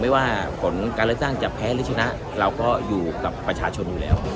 ไม่ว่าผลการเลือกตั้งจะแพ้หรือชนะเราก็อยู่กับประชาชนอยู่แล้ว